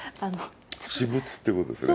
私物ってことですよね。